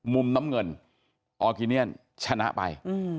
มุมน้ำเงินออร์กิเนียนชนะไป